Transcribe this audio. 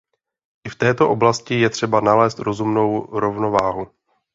I v této oblasti je třeba nalézt rozumnou rovnováhu.